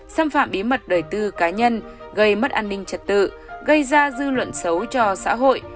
xâm phạm bí mật đời tư cá nhân gây mất an ninh trật tự gây ra dư luận xấu cho xã hội